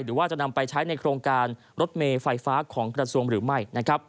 หรือว่าจะนำไปใช้ในโครงการรถเมย์ไฟฟ้าของกระทรวงหรือไม่